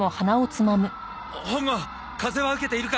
本郷風は受けているか？